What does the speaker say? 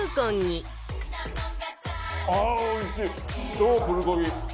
超プルコギ！